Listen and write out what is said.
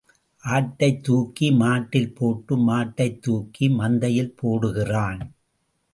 ஆட்டைத் தூக்கி மாட்டில் போட்டு மாட்டைத் தூக்கி மந்தையில் போடுகிறான்.